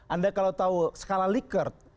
anda kalau tahu skala liker